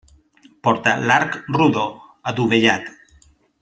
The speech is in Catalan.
Porta d'arc rodó, adovellat.